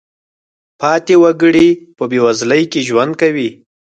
پاتې وګړي په بېوزلۍ کې ژوند کوي.